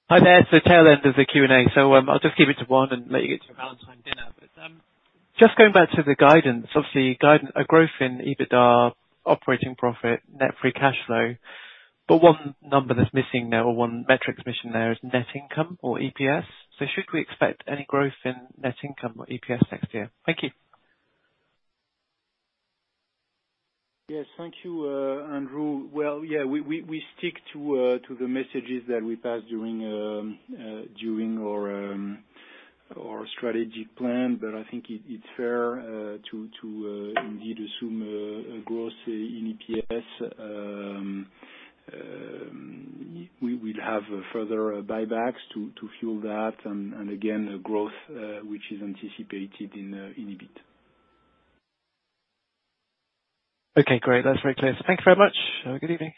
Hi there. It's the tail end of the Q&A, I'll just keep it to one and let you get to your Valentine dinner. Just going back to the guidance. Obviously, A growth in EBITDA, operating profit, net free cash flow, but one number that's missing there or one metric's missing there is net income or EPS. Should we expect any growth in net income or EPS next year? Thank you. Yes. Thank you, Andrew. Well, yeah, we stick to the messages that we passed during our strategy plan. I think it's fair to indeed assume a growth in EPS. We will have further buybacks to fuel that and again, a growth which is anticipated in EBIT. Okay, great. That's very clear. Thank you very much. Have a good evening.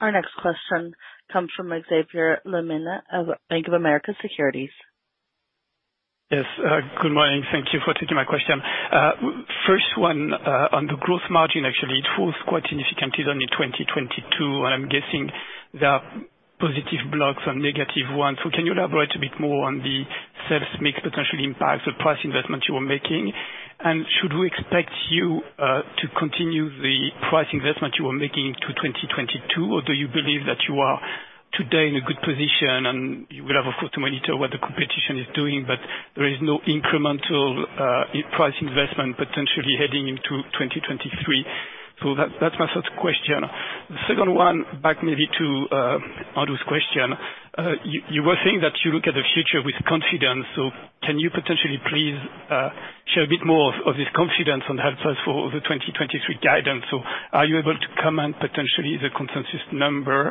Our next question comes from Xavier Le Mené of Bank of America Securities. Yes. Good morning. Thank you for taking my question. First one, on the gross margin. Actually it falls quite significantly then in 2022. I'm guessing there are positive blocks and negative ones. Can you elaborate a bit more on the sales mix potentially impacts the price investments you are making? Should we expect you to continue the price investment you are making into 2022, or do you believe that you are today in a good position and you will have of course to monitor what the competition is doing, but there is no incremental price investment potentially heading into 2023? That's my first question. The second one, back maybe to Andrew's question. You were saying that you look at the future with confidence, can you potentially please share a bit more of this confidence and help us for the 2023 guidance? Are you able to comment potentially the consensus number,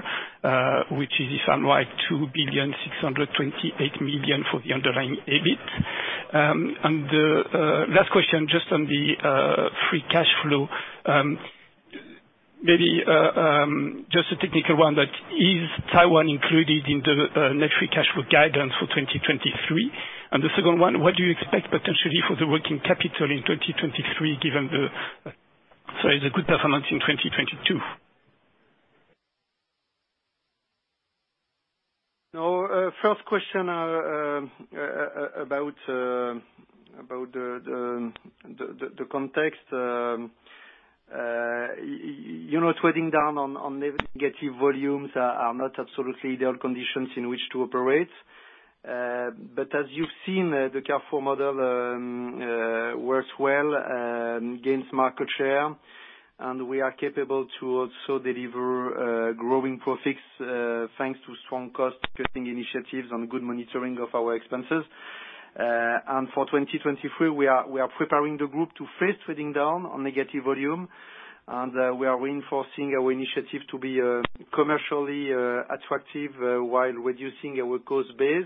which is if I'm right, 2,628 million for the underlying EBIT? The last question just on the free cash flow. Maybe just a technical one, is Taiwan included in the Net Free Cash Flow guidance for 2023? The second one, what do you expect potentially for the working capital in 2023 given the sorry the good performance in 2022? No, first question, about the, the context. You know, trading down on negative volumes are not absolutely the conditions in which to operate. As you've seen, the Carrefour model works well, gains market share, and we are capable to also deliver growing profits, thanks to strong cost-cutting initiatives and good monitoring of our expenses. For 2023, we are preparing the group to face trading down on negative volume, and we are reinforcing our initiative to be commercially attractive, while reducing our cost base.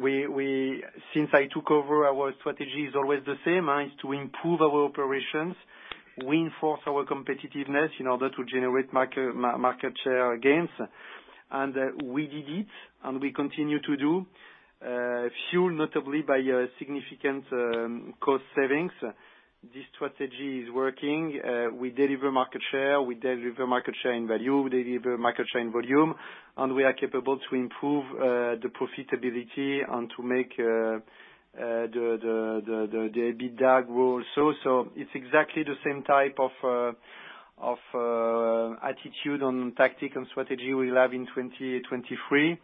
We. Since I took over, our strategy is always the same, is to improve our operations, reinforce our competitiveness in order to generate market share gains. We did it and we continue to do, fueled notably by a significant cost savings. This strategy is working. We deliver market share, we deliver market share in value, we deliver market share in volume, and we are capable to improve the profitability and to make the EBITDA grow also. It's exactly the same type of attitude on tactic and strategy we'll have in 2023.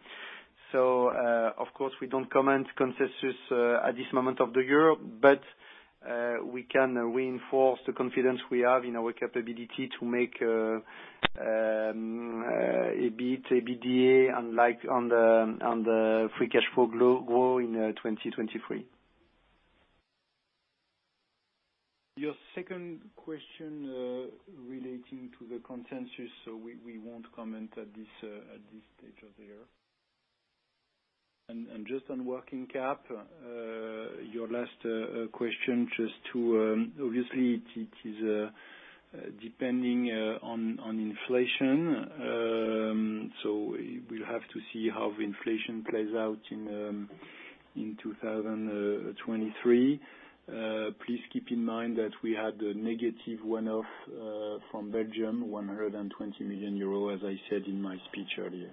Of course, we don't comment consensus at this moment of the year, we can reinforce the confidence we have in our capability to make EBIT, EBITDA unlike on the, on the free cash flow grow in 2023. Your second question relating to the consensus, we won't comment at this stage of the year. Just on working cap, your last question, obviously it is depending on inflation. We'll have to see how inflation plays out in 2023. Please keep in mind that we had a negative one-off from Belgium, 120 million euro, as I said in my speech earlier.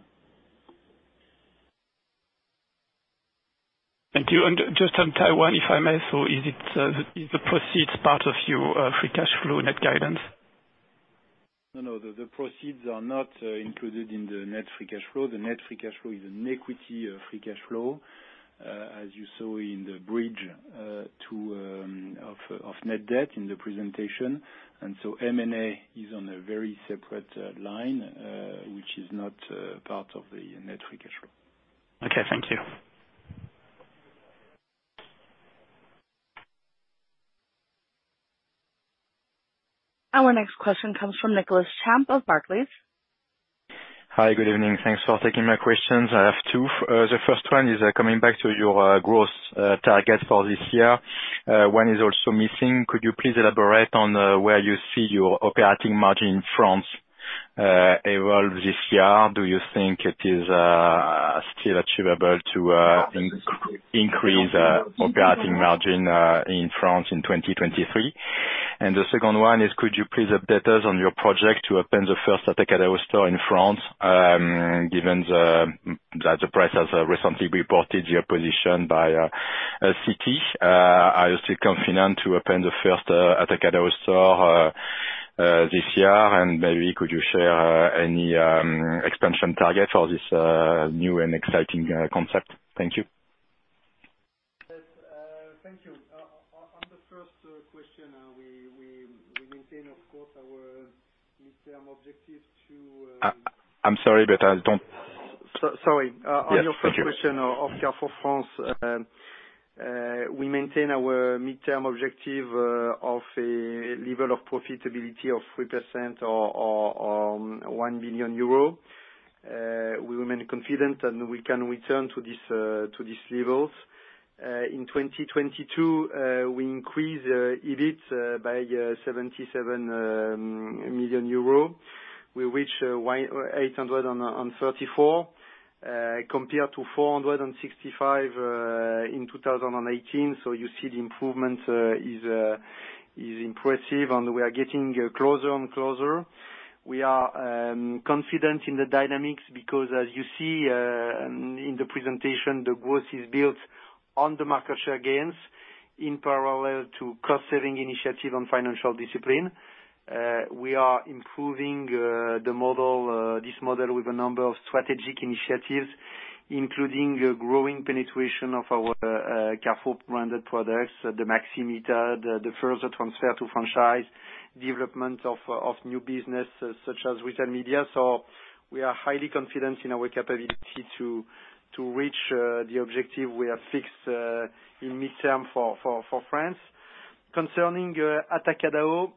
Thank you. Just on Taiwan, if I may. Is it, is the proceeds part of your, free cash flow net guidance? No. The proceeds are not included in the Net Free Cash Flow. The Net Free Cash Flow is an equity of free cash flow, as you saw in the bridge to of net debt in the presentation. M&A is on a very separate line, which is not part of the Net Free Cash Flow. Okay, thank you. Our next question comes from Nicolas Champ of Barclays. Hi, good evening. Thanks for taking my questions. I have two. The first one is coming back to your growth target for this year. When is also missing, could you please elaborate on where you see your operating margin in France evolve this year? Do you think it is still achievable to increase operating margin in France in 2023? The second one is could you please update us on your project to open the first Atacadão store in France, given that the press has recently reported your position by CT. Are you still confident to open the first Atacado store this year? Maybe could you share any expansion target for this new and exciting concept? Thank you. Yes. Thank you. On the first question, we maintain, of course, our midterm objective to. I'm sorry, I don't. S-sorry. Yes. Thank you. On your first question of Carrefour France, we maintain our midterm objective of a level of profitability of 3% or 1 billion euro. We remain confident and we can return to this levels. In 2022, we increase EBIT by 77 million EUR. We reach 834 compared to 465 in 2018. You see the improvement is impressive, and we are getting closer and closer. We are confident in the dynamics because as you see in the presentation, the growth is built on the market share gains in parallel to cost saving initiative on financial discipline. We are improving the model, this model with a number of strategic initiatives, including a growing penetration of our Carrefour branded products, the Maxi, the further transfer to franchise, development of new business, such as retail media. We are highly confident in our capability to reach the objective we have fixed in midterm for France. Concerning Atacadão,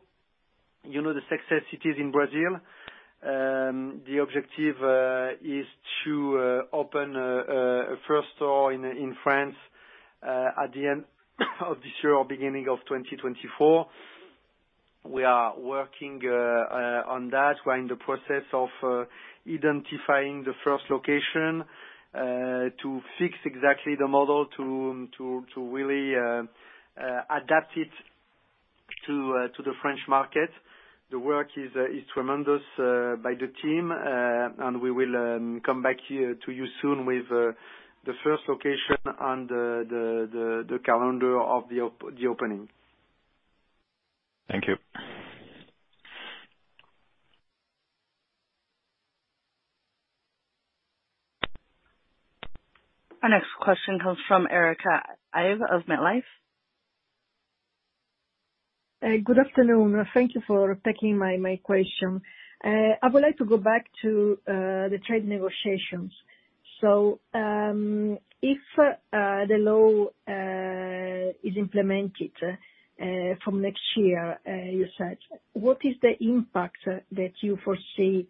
you know, the success it is in Brazil. The objective is to open a first store in France at the end of this year or beginning of 2024. We are working on that. We're in the process of identifying the first location to fix exactly the model to really adapt it to the French market. The work is tremendous by the team. We will come back here to you soon with the first location on the calendar of the opening. Thank you. Our next question comes from Erica Ive of MetLife. Good afternoon. Thank you for taking my question. I would like to go back to the trade negotiations. If the law is implemented from next year, you said, what is the impact that you foresee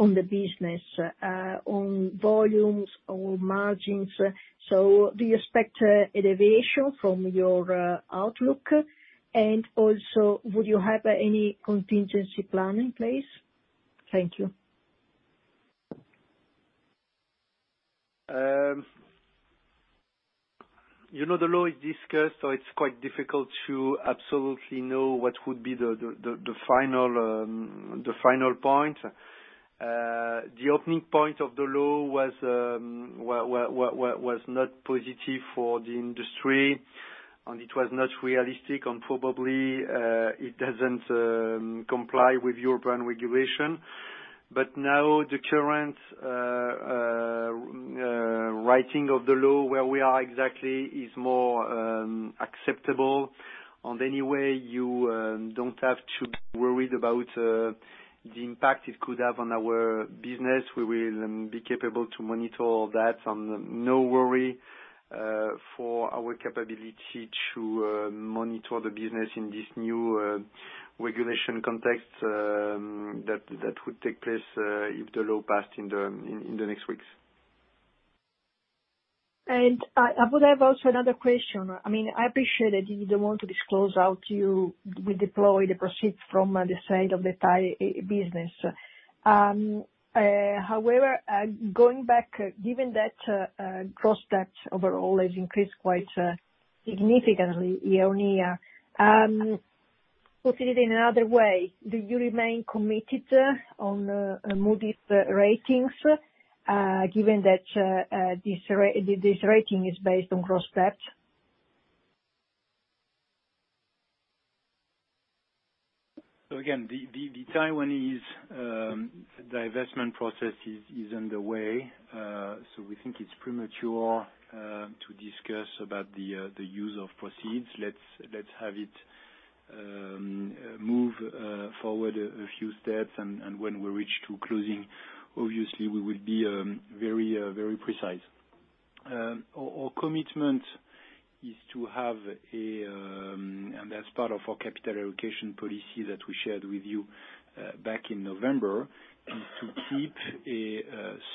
on the business, on volumes or margins? Do you expect a elevation from your outlook? And also would you have any contingency plan in place? Thank you. You know, the law is discussed, so it's quite difficult to absolutely know what would be the final point. The opening point of the law was not positive for the industry, and it was not realistic and probably it doesn't comply with European regulation. Now the current writing of the law, where we are exactly is more acceptable. Anyway, you don't have to be worried about the impact it could have on our business. We will be capable to monitor all that. No worry for our capability to monitor the business in this new regulation context that would take place if the law passed in the next weeks. I would have also another question. I mean, I appreciate that you don't want to disclose how to we deploy the proceed from the side of the Taiwan e-business. However, going back, given that, gross debt overall has increased quite significantly year-on-year, put it in another way, do you remain committed on Moody's ratings, given that, this rating is based on gross debt? Again, the Taiwanese divestment process is underway. We think it's premature to discuss about the use of proceeds. Let's have it move forward a few steps and when we reach to closing, obviously we will be very precise. Our commitment is to have a... And that's part of our capital allocation policy that we shared with you back in November, is to keep a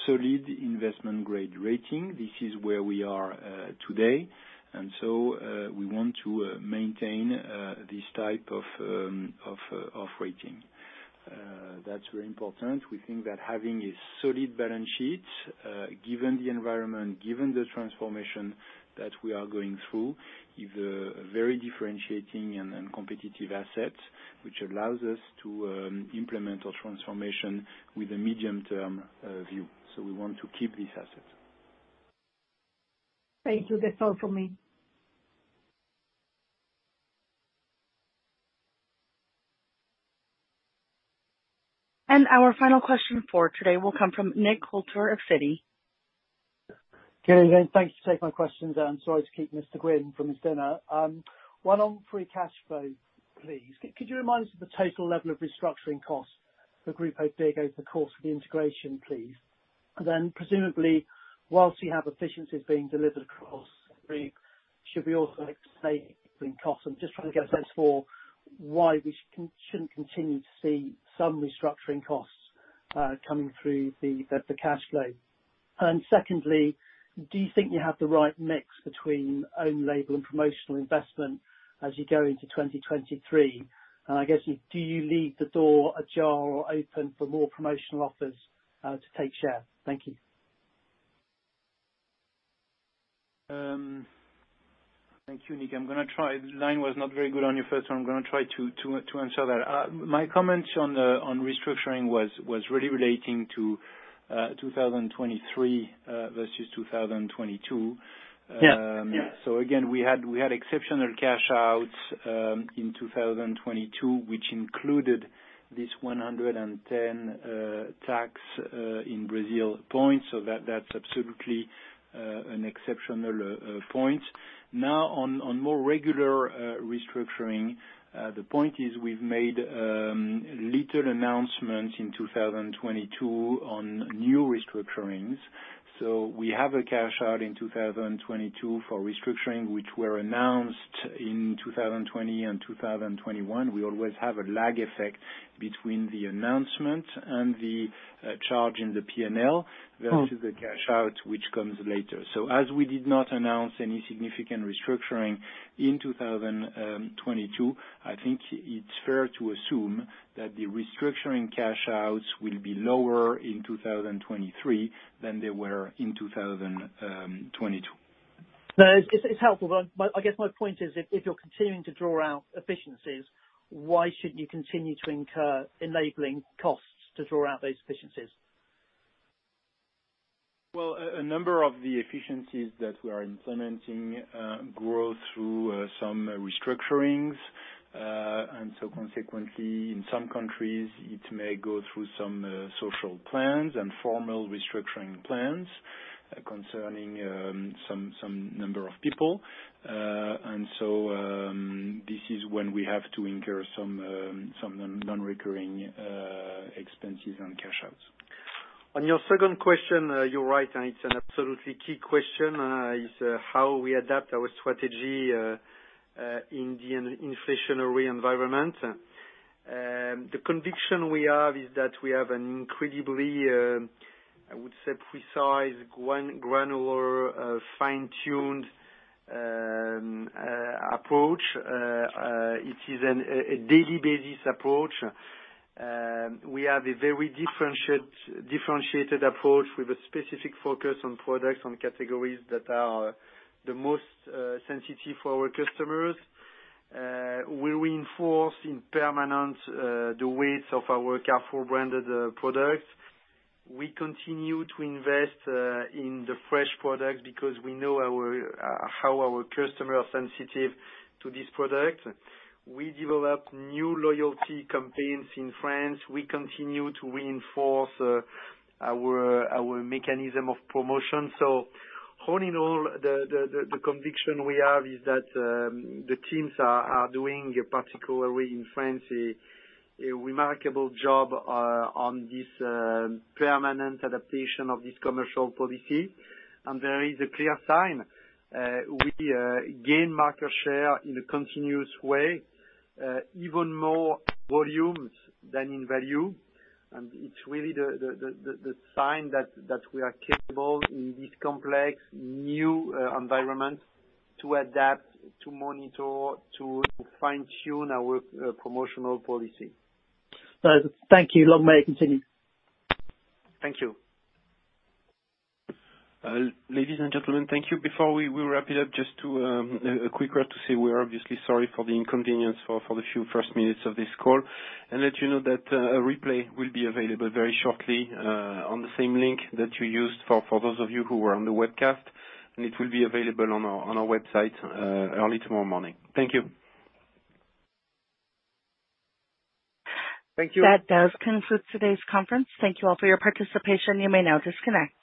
solid investment grade rating. This is where we are today. We want to maintain this type of rating. That's very important. We think that having a solid balance sheet, given the environment, given the transformation that we are going through, is a very differentiating and competitive asset, which allows us to implement our transformation with a medium term view. We want to keep this asset. Thank you. That's all for me. Our final question for today will come from Nick Coulter of Citi. Okay. Thank you for taking my questions, and sorry to keep Mr. Grimm from his dinner. One on free cash flow, please. Could you remind us of the total level of restructuring costs for Grupo BIGover the course of the integration, please? Presumably, whilst you have efficiencies being delivered across the group, should we also expect costs? I'm just trying to get a sense for why we shouldn't continue to see some restructuring costs coming through the cash flow. Secondly, do you think you have the right mix between own label and promotional investment as you go into 2023? I guess, do you leave the door ajar or open for more promotional offers to take share? Thank you. Thank you, Nick. I'm gonna try. The line was not very good on your first. I'm gonna try to answer that. My comments on restructuring was really relating to 2023 versus 2022. Yeah. Yeah. Again, we had exceptional cash outs in 2022, which included this 110 tax in Brazil points. That's absolutely an exceptional point. On more regular restructuring, the point is we've made little announcements in 2022 on new restructurings. We have a cash out in 2022 for restructuring, which were announced in 2020 and 2021. We always have a lag effect between the announcement and the charge in the P&L. Mm-hmm. -versus the cash out which comes later. As we did not announce any significant restructuring in 2022, I think it's fair to assume that the restructuring cash outs will be lower in 2023 than they were in 2022. No, it's helpful. I guess my point is if you're continuing to draw out efficiencies, why should you continue to incur enabling costs to draw out those efficiencies? Well, a number of the efficiencies that we are implementing, grow through some restructurings. Consequently, in some countries, it may go through some social plans and formal restructuring plans concerning some number of people. This is when we have to incur some non-recurring expenses and cash outs. On your second question, you're right, and it's an absolutely key question, is how we adapt our strategy in the in-inflationary environment. The conviction we have is that we have an incredibly, I would say precise, granular, fine-tuned approach. It is a daily basis approach. We have a very differentiated approach with a specific focus on products and categories that are the most sensitive for our customers. We reinforce in permanent the weight of our Carrefour branded products. We continue to invest in the fresh products because we know how our customers are sensitive to this product. We developed new loyalty campaigns in France. We continue to reinforce our mechanism of promotion. All in all, the conviction we have is that the teams are doing, particularly in France, a remarkable job on this permanent adaptation of this commercial policy. There is a clear sign, we gain market share in a continuous way, even more volumes than in value. It's really the sign that we are capable in this complex, new environment to adapt, to monitor, to fine-tune our promotional policy. Thank you. Long may it continue. Thank you. Ladies and gentlemen, thank you. Before we wrap it up, just a quick word to say we're obviously sorry for the inconvenience for the few first minutes of this call. Let you know that a replay will be available very shortly on the same link that you used for those of you who were on the webcast. It will be available on our website early tomorrow morning. Thank you. Thank you. That does conclude today's conference. Thank you all for your participation. You may now disconnect.